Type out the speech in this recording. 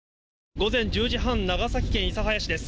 午前１０時半、長崎県諫早市です。